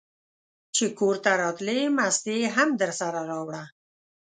چې کورته راتلې مستې هم درسره راوړه!